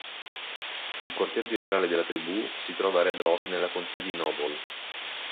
Il quartier generale della tribù si trova a Red Rock nella contea di Noble.